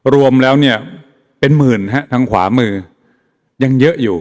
รวมแล้วเนี่ยเป็นหมื่นฮะทางขวามือยังเยอะอยู่